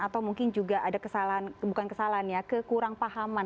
atau mungkin juga ada kesalahan bukan kesalahan ya kekurangpahaman